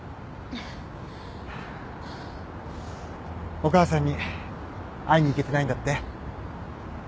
お母さんに会いに行けてないんだって？